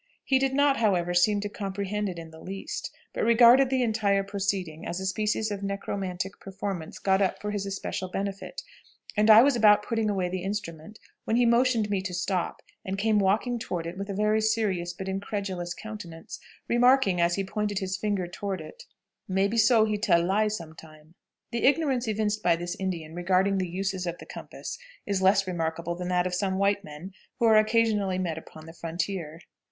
He did not, however, seem to comprehend it in the least, but regarded the entire proceeding as a species of necromantic performance got up for his especial benefit, and I was about putting away the instrument when he motioned me to stop, and came walking toward it with a very serious but incredulous countenance, remarking, as he pointed his finger toward it, "Maybe so he tell lie sometime." The ignorance evinced by this Indian regarding the uses of the compass is less remarkable than that of some white men who are occasionally met upon the frontier.